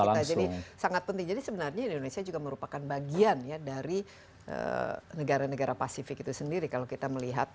dari papua jadi sangat penting jadi sebenarnya indonesia juga merupakan bagian ya dari negara negara